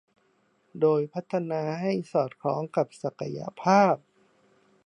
โดยพัฒนาให้สอดคล้องกับศักยภาพ